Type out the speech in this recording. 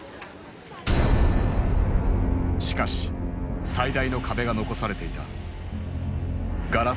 しかし最大の壁が残されていた。